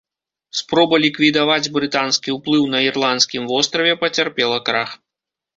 Спроба ліквідаваць брытанскі ўплыў на ірландскім востраве пацярпела крах.